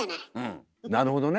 なるほどね。